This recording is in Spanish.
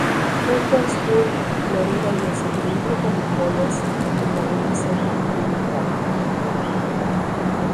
Petersburg, Florida y el seguimiento con victorias en Laguna Seca y Lime Rock, Connecticut.